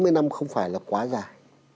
tám mươi năm không phải là quá dài